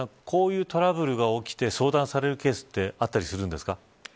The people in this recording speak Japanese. こういうトラブルが起きて相談されるケースってあったりするんですか。